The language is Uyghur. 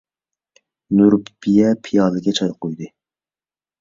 نۇربىيە پىيالىگە چاي قۇيدى.